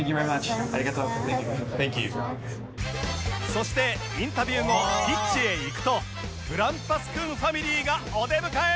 そしてインタビュー後ピッチへ行くとグランパスくんファミリーがお出迎え！